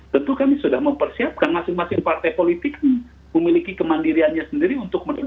tentu kami sudah mempersiapkan masing masing partai politik memiliki kemandiriannya sendiri untuk mendukung